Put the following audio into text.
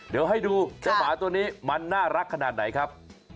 เดี๋ยวให้ดูเจ้าหมาตัวนี้มันน่ารักขนาดไหนครับ